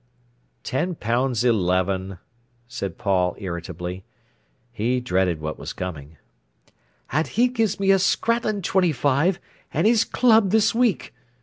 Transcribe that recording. "Ten pounds eleven," said Paul irritably. He dreaded what was coming. "And he gives me a scrattlin' twenty five, an' his club this week!